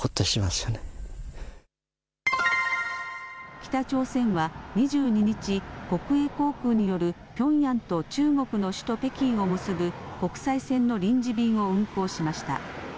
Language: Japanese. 北朝鮮は２２日、国営航空によるピョンヤンと中国の首都北京を結ぶ国際線の臨時便を運航しました。